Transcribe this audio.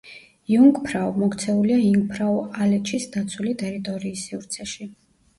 იუნგფრაუ მოქცეულია იუნგფრაუ-ალეჩის დაცული ტერიტორიის სივრცეში.